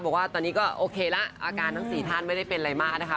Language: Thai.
บอกว่าตอนนี้ก็โอเคละอาการทั้ง๔ท่านไม่ได้เป็นอะไรมากนะคะ